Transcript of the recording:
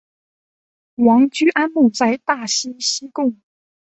王居安墓在大溪西贡。